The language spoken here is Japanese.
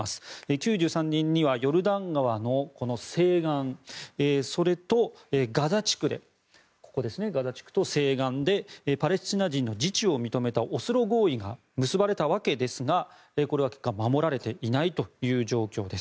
９３年にはヨルダン川のこの西岸それと、ガザ地区でパレスチナ人の自治を認めたオスロ合意が結ばれたわけですがこれは結果守られていないという状況です。